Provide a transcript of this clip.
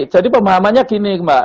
jadi pemahamannya gini mbak